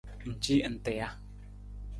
Ng ci nta ja?